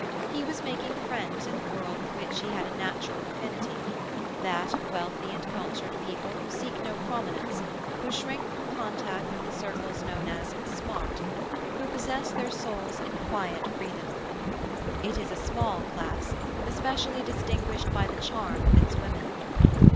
He was making friends in the world with which he had a natural affinity; that of wealthy and cultured people who seek no prominence, who shrink from contact with the circles known as "smart," who possess their souls in quiet freedom. It is a small class, especially distinguished by the charm of its women.